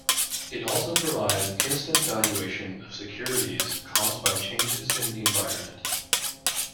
It also provides instant valuation of securities caused by changes in the environment.